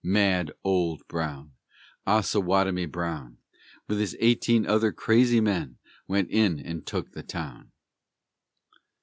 Mad Old Brown, Osawatomie Brown, With his eighteen other crazy men, went in and took the town.